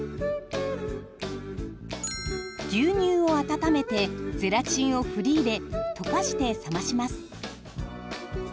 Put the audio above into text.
牛乳を温めてゼラチンを振り入れ溶かして冷まします。